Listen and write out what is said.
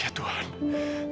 ya terima kasih ya tuhan